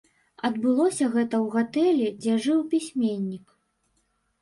Адбылося гэта ў гатэлі, дзе жыў пісьменнік.